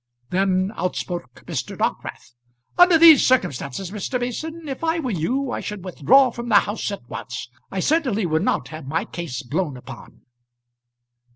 Then outspoke Mr. Dockwrath, "Under these circumstances, Mr. Mason, if I were you, I should withdraw from the house at once. I certainly would not have my case blown upon."